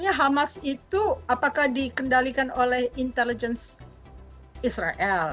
sebetulnya hamas itu apakah dikendalikan oleh intelijen israel